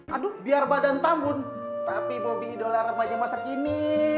aduh biar badan tambun tapi bobi idola remaja masa kini